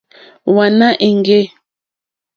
Wàná èŋɡê.